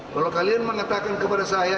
kalau kalian mengatakan kepada saya